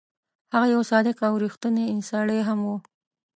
هغه یو صادق او ریښتونی سړی هم وو.